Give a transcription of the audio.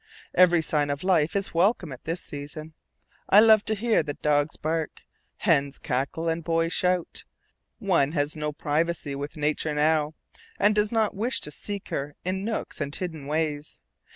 Every sign of life is welcome at this season. I love to hear dogs bark, hens cackle, and boys shout; one has no privacy with nature now, and does not wish to seek her in nooks and hidden ways.